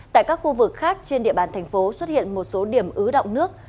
tại các khu vực khác trên địa bàn thành phố xuất hiện một số điểm ứ động nước